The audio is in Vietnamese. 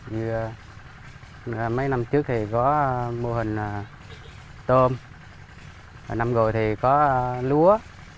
như mấy năm trước thì có mô hình tôm năm rồi thì có lúa